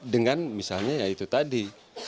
dengan misalnya itu tadi